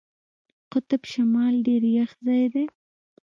قطب شمال ډېر یخ ځای دی.